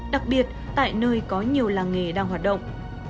đặc biệt tại nơi có nhiều làng nghề đang hoạt động